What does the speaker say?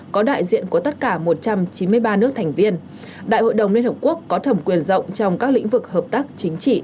có đại diện của tất cả một trăm chín mươi ba nước thành viên đại hội đồng liên hợp quốc có thẩm quyền rộng trong các lĩnh vực hợp tác chính trị